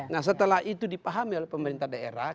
nah setelah itu dipahami oleh pemerintah daerah